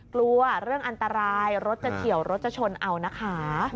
กลัวเรื่องอันตรายรถจะเฉียวรถจะชนเอานะคะ